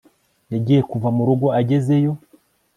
Yagiye kuva mu rugo agezeyo